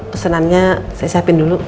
pesenannya saya siapin dulu